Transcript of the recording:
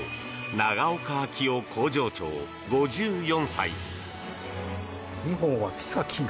長岡章夫工場長、５４歳。